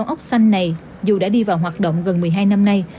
hệ thống xanh này dù đã đi vào hoạt động gần một mươi hai năm nay